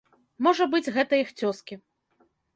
Можа быць, гэта іх цёзкі.